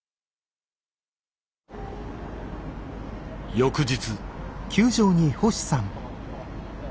翌日。